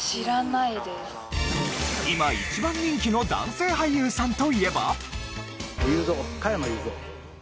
今一番人気の男性俳優さんといえば？